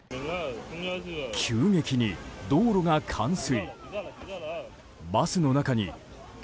急激に道路が冠水。